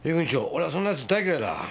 俺はそんな奴大嫌いだ。